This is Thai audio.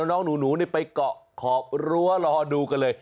น้องหนูไปเกาะขอบรั้วรอดูกันเลย